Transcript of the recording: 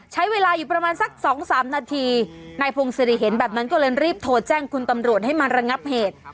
ใช้เวลาอยู่ประมาณสักสองสามนาทีนายพงศิริเห็นแบบนั้นก็เลยรีบโทรแจ้งคุณตำรวจให้มาระงับเหตุ